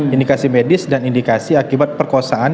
indikasi medis dan indikasi akibat perkosaan